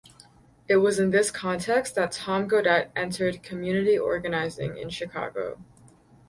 It was in this context that Tom Gaudette entered community organizing in Chicago.